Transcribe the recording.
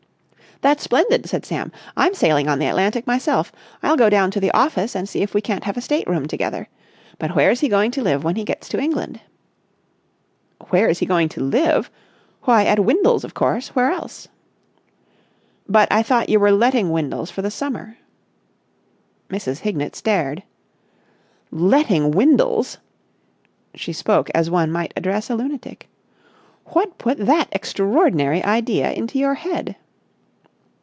'" "That's splendid!" said Sam. "I'm sailing on the 'Atlantic' myself. I'll go down to the office and see if we can't have a state room together. But where is he going to live when he gets to England?" "Where is he going to live? Why, at Windles, of course. Where else?" "But I thought you were letting Windles for the summer?" Mrs. Hignett stared. "Letting Windles!" She spoke as one might address a lunatic. "What put that extraordinary idea into your head?"